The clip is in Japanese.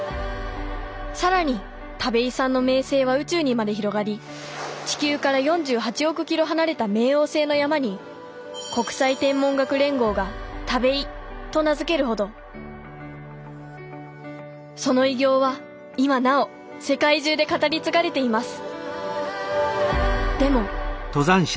更に田部井さんの名声は宇宙にまで広がり地球から４８億キロ離れた冥王星の山に国際天文学連合がＴａｂｅｉと名付けるほどその偉業は今なお世界中で語り継がれています。